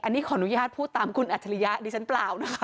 อันนี้ขออนุญาตพูดตามคุณอัจฉริยะดิฉันเปล่านะคะ